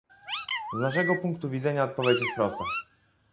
Z naszego punktu widzenia odpowiedź jest prosta